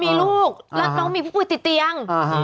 มีลูกแล้วน้องมีผู้ป่วยติดเตียง